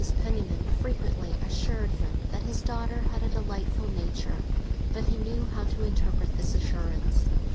Penniman frequently assured him that his daughter had a delightful nature; but he knew how to interpret this assurance.